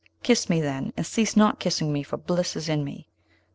Kiss me, then, and cease not kissing me, for bliss is in me.'